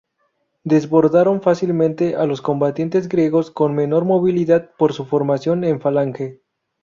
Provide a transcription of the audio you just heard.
Desbordaron fácilmente a los combatientes griegos, con menor movilidad por su formación en falange.